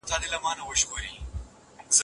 که لوبغاړي تمرین ونکړي نو بریا ته نشي رسېدلای.